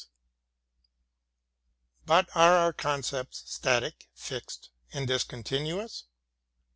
But are our concepts static, fixed, and discontinuous?